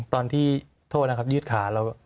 ตอนที่โทษนะครับยืดขาเรา